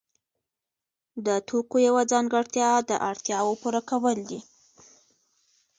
د توکو یوه ځانګړتیا د اړتیاوو پوره کول دي.